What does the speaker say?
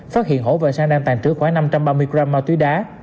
phát hiện hổ và sang đang tàn trữ khoảng năm trăm ba mươi gram ma túy đá